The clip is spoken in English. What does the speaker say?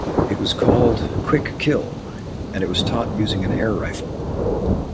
It was called "Quick Kill", and it was taught using an air rifle.